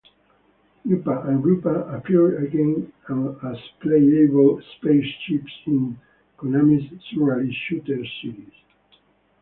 Upa and Rupa appeared again as playable "space ships" in Konami's surrealist shooter series.